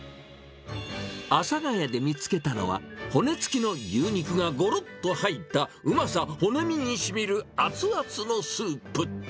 阿佐谷で見つけたのは、骨付きの牛肉がごろっと入った、うまさ骨身にしみる熱々のスープ。